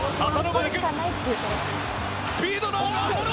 スピードのある浅野だ！